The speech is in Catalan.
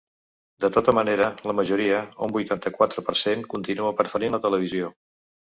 De tota manera, la majoria, un vuitanta-quatre per cent, continua preferint la televisió.